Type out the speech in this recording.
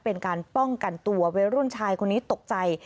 เป็นการป้องกันตัววัยรุ่นชายคนนี้ตกใจ